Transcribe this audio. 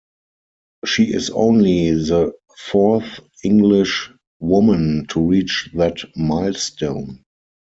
She is only the fourth English woman to reach that milestone.